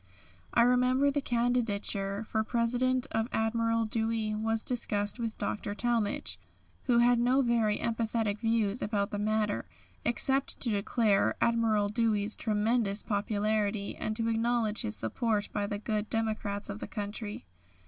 I remember the candidature for President of Admiral Dewey was discussed with Dr. Talmage, who had no very emphatic views about the matter, except to declare Admiral Dewey's tremendous popularity, and to acknowledge his support by the good Democrats of the country.